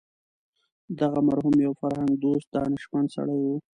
دغه مرحوم یو فرهنګ دوست دانشمند سړی و.